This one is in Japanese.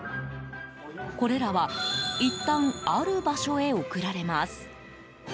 これらはいったんある場所へ送られます。